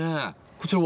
こちらは？